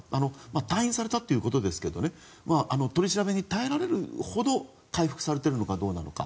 退院されたということですが取り調べに耐えられるほど回復されているのかどうか。